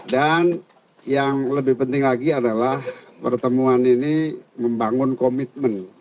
dan yang lebih penting lagi adalah pertemuan ini membangun komitmen